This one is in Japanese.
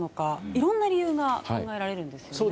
いろんな理由が考えられるんですよね。